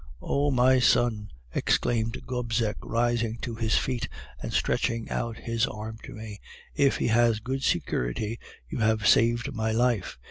"'Oh! my son,' exclaimed Gobseck, rising to his feet, and stretching out his arms to me, 'if he has good security, you have saved my life.